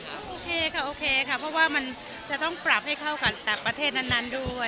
ก็โอเคค่ะโอเคค่ะเพราะว่ามันจะต้องปรับให้เข้ากับประเทศนั้นด้วย